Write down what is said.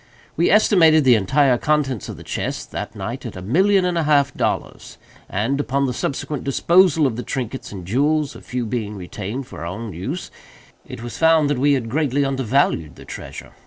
We estimated the entire contents of the chest, that night, at a million and a half of dollars; and upon the subsequent disposal of the trinkets and jewels (a few being retained for our own use), it was found that we had greatly undervalued the treasure.